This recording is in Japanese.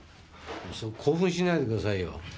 そう興奮しないでくださいよ。